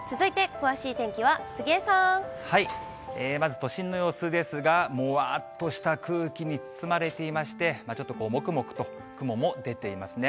まず都心の様子ですが、もわーっとした空気に包まれていまして、ちょっともくもくと雲も出ていますね。